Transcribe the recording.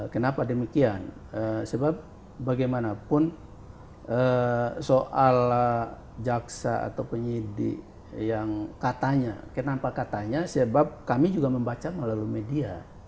kenapa demikian sebab bagaimanapun soal jaksa atau penyidik yang katanya kenapa katanya sebab kami juga membaca melalui media